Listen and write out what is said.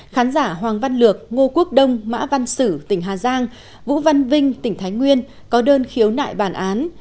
khán giả hoàng văn lược ngô quốc đông mã văn sử tỉnh hà giang vũ văn vinh tỉnh thái nguyên có đơn khiếu nại bản án